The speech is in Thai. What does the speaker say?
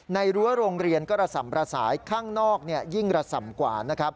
รั้วโรงเรียนก็ระส่ำระสายข้างนอกยิ่งระส่ำกว่านะครับ